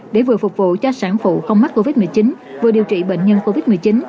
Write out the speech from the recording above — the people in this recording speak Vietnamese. để vừa phục vụ cho sản phụ không mắc covid một mươi chín vừa điều trị bệnh nhân covid một mươi chín